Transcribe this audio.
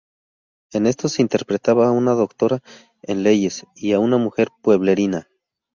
En estos interpretaba a una doctora en leyes y a una mujer pueblerina.